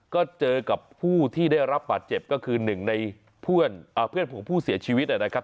ก็เจอกับผู้ที่ได้รับบาดเจ็บก็คือหนึ่งในเพื่อนของผู้เสียชีวิตนะครับ